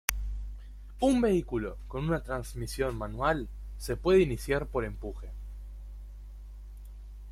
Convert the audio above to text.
Un vehículo con una transmisión manual se puede iniciar por empuje.